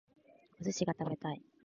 お寿司が食べたい